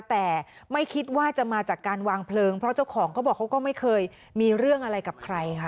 แต่ไม่คิดว่าจะมาจากการวางเพลิงเพราะเจ้าของเขาบอกเขาก็ไม่เคยมีเรื่องอะไรกับใครค่ะ